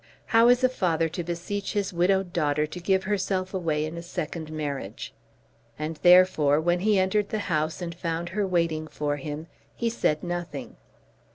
How is a father to beseech his widowed daughter to give herself away in a second marriage? And therefore when he entered the house and found her waiting for him, he said nothing.